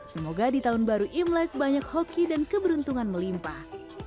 semoga di tahun baru imlek banyak hoki dan keberuntungan melimpah